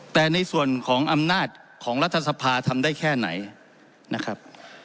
แต่ในส่วนของอำนาจของรัฐสภาทำได้แค่ไหนนะครับ